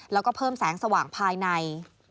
แล้วก็เพิ่มแสงสว่างภายใน